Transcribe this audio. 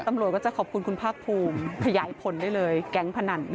ตำรวจก็จะขอบคุณคุณภาคภูมิขยายผลได้เลยแก๊งพนัน